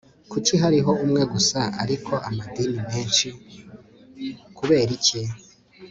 kuki hariho umwe gusa ariko amadini menshi? (kubera iki?